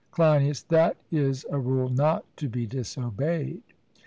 CLEINIAS: That is a rule not to be disobeyed.